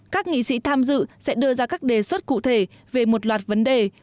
các nghị sĩ tham dự sẽ đưa ra các đề xuất cụ thể về một loạt vấn đề